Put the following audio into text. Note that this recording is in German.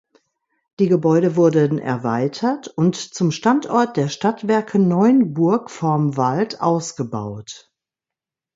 Die Gebäude wurden erweitert und zum Standort der Stadtwerke Neunburg vorm Wald ausgebaut.